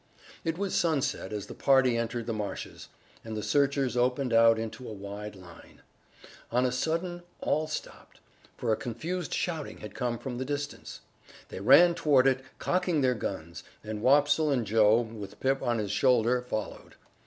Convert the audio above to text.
It was sunset as the party entered the marshes, and the searchers opened out into a wide line. On a sudden all stopped, for a confused shouting had come from the distance. They ran toward it, cocking their guns, and Wopsle and Joe, with Pip on his shoulder, followed.